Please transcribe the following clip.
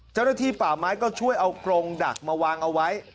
เจ้าหน้าที่ป่าไม้ก็ช่วยเอากรงดักมาวางเอาไว้